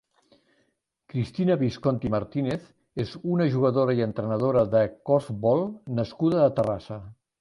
Cristina Visconti Martínez és una jugadora i entrenadora de corfbol nascuda a Terrassa.